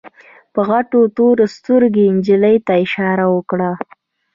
په غټو تورو سترګو يې نجلۍ ته اشاره وکړه.